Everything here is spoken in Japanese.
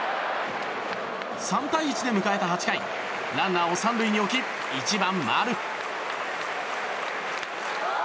３対１で迎えた８回ランナーを３塁に置き１番、丸。